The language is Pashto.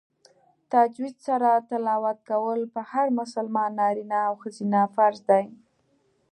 تجوید سره تلاوت کول په هر مسلمان نارینه او ښځینه فرض دی